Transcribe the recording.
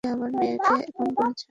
সে আমার মেয়েকে খুন করেছে!